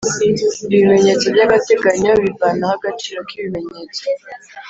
Ibimenyetso by'agateganyo bivanaho agaciro k'ibimenyetso